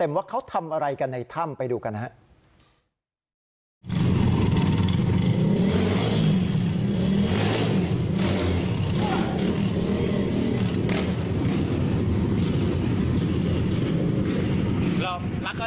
ว่าเขาทำอะไรกันในถ้ำไปดูกันนะครับ